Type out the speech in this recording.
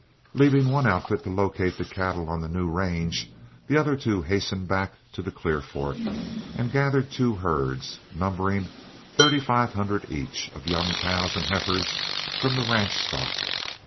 Leaving one outfit to locate the cattle on the new range, the other two hastened back to the Clear Fork and gathered two herds, numbering thirty five hundred each, of young cows and heifers from the ranch stock.